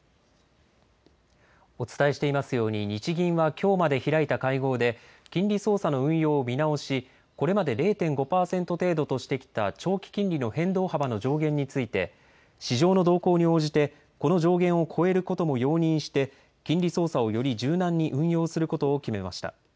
お伝えしていますように、日銀はきょうまで開いた会合で、金利操作の運用を見直し、これまで０．５％程度としてきた長期金利の変動幅の上限について、市場の動向に応じてこの上限を超えることも容認して、金利操作をより柔軟に運用することを決めました。